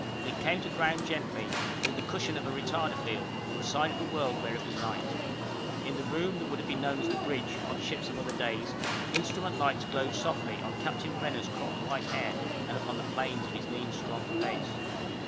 It came to ground gently, with the cushion of a retarder field, on the side of the world where it was night. In the room that would have been known as the bridge on ships of other days, instrument lights glowed softly on Captain Renner's cropped white hair, and upon the planes of his lean, strong face.